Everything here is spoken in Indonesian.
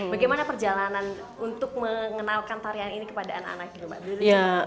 bagaimana perjalanan untuk mengenalkan tarian ini kepada anak anak itu mbak dury